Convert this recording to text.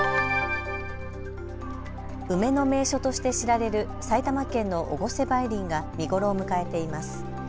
梅の名所として知られる埼玉県の越生梅林が見頃を迎えています。